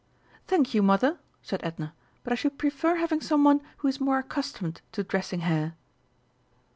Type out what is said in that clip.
"Thank you, Mother," said Edna, "but I should prefer having some one who is more accustomed to dressing hair."